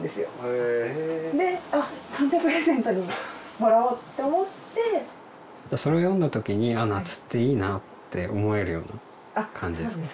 へぇで「あっ誕生日プレゼントにもらおう」って思ってそれを詠んだ時に「あっ夏っていいな」って思えるような感じですか？